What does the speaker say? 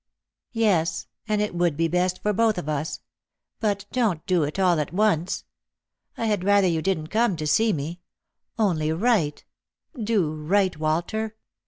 '■ Yes — and it would be best for both of us. But don't do it all at once. I had rather you didn't come to see me ; only write — do write, Walter !